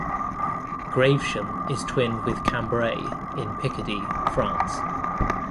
Gravesham is twinned with Cambrai in Picardy, France.